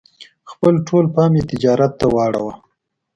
خپل ټول پام یې تجارت ته واړاوه.